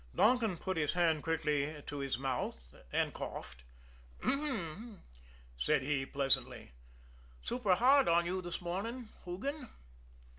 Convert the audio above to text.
Donkin put his hand quickly to his mouth and coughed. "Um m!" said he pleasantly. "Super hard on you this morning Hoogan?"